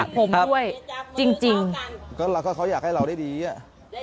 ผมด้วยจริงจริงก็เราก็เขาอยากให้เราได้ดีอ่ะ